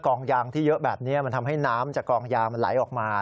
ยางที่เยอะแบบนี้มันทำให้น้ำจากกองยางมันไหลออกมา